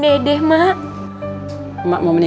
masih mau berhenti